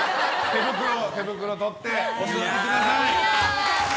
手袋とって、お座りください。